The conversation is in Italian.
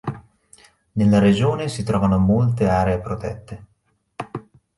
Nella regione si trovano molte aree protette.